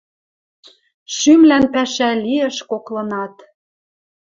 Шӱмлӓн пӓшӓ лиэш коклынат.